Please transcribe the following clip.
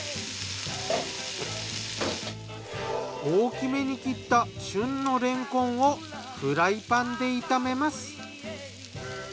大きめに切った旬のれんこんをフライパンで炒めます。